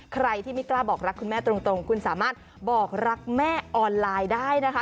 ใครที่ไม่กล้าบอกรักคุณแม่ตรงคุณสามารถบอกรักแม่ออนไลน์ได้นะคะ